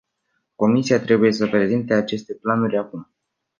Comisia trebuie să prezinte aceste planuri acum.